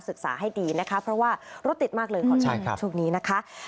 ศึกษาให้ดีนะคะเพราะว่ารถติดมากเลยขอใช้ครับช่วงนี้นะคะ